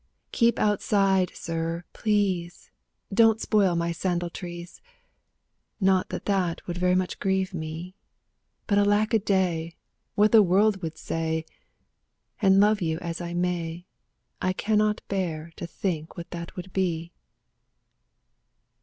Keep outside, sir, please ! Don't spoil my sandal trees! Not that that would very much grieve me ; But alack a day ! what the world would say ! And love you as I may, I cannot bear to think what that would be.